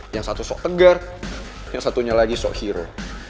yang satu sok tegar yang satunya lagi sok hero